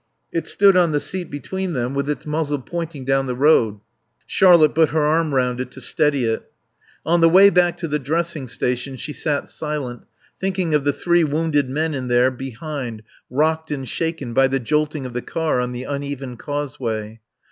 It stood on the seat between them with its muzzle pointing down the road. Charlotte put her arm round it to steady it. On the way back to the dressing station she sat silent, thinking of the three wounded men in there, behind, rocked and shaken by the jolting of the car on the uneven causeway.